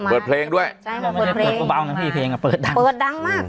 เปิดเพลงด้วยเพลง่ะเปิดดังเปิดดังมาก